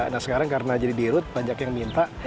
nah sekarang karena jadi dirut banyak yang minta